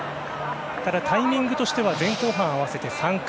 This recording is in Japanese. ただタイミングとしては前後半合わせて３回。